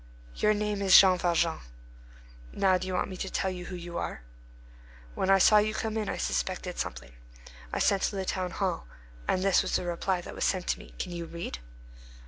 Your name is Jean Valjean. Now do you want me to tell you who you are? When I saw you come in I suspected something; I sent to the town hall, and this was the reply that was sent to me. Can you read?"